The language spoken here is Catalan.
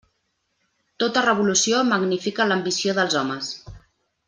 Tota revolució magnifica l'ambició dels homes.